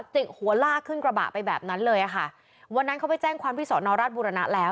จิกหัวลากขึ้นกระบะไปแบบนั้นเลยอ่ะค่ะวันนั้นเขาไปแจ้งความที่สอนอราชบุรณะแล้ว